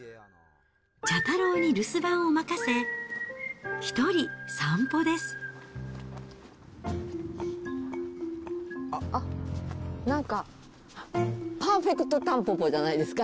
茶太郎に留守番を任せ、あっ、なんか、パーフェクトたんぽぽじゃないですか？